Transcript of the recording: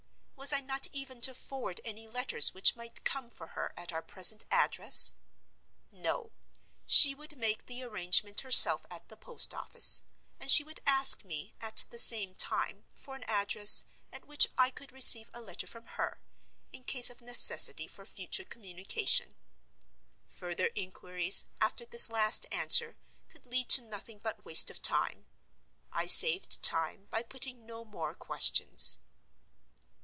Was I not even to forward any letters which might come for her at our present address? No: she would make the arrangement herself at the post office; and she would ask me, at the same time, for an address, at which I could receive a letter from her, in case of necessity for future communication. Further inquiries, after this last answer, could lead to nothing but waste of time. I saved time by putting no more questions.